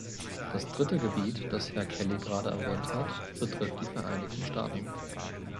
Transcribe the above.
Das dritte Gebiet, das Herr Kelly gerade erwähnt hat, betrifft die Vereinigten Staaten.